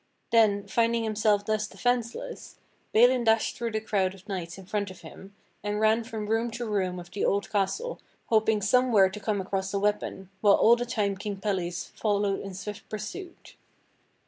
Then, finding himself thus defenceless, Balin dashed through the crowd of knights in front of him, and ran from room to room of the old castle hoping somewhere to come across a weapon, while all the time King Pelles followed in swift pursuit.